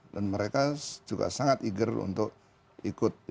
dan mereka juga sangat eager untuk ikut